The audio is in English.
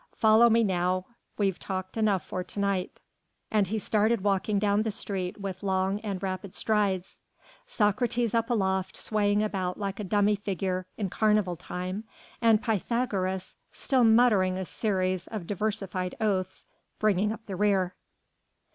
Follow me now, we've talked enough for to night." And he started walking down the street with long and rapid strides. Socrates up aloft swaying about like a dummy figure in carnival time, and Pythagoras still muttering a series of diversified oaths bringing up the rear.